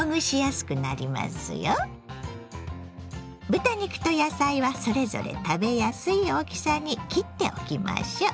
豚肉と野菜はそれぞれ食べやすい大きさに切っておきましょう。